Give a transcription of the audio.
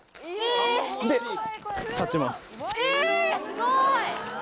すごい！